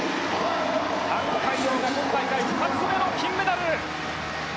タン・カイヨウが今大会２つ目の金メダル。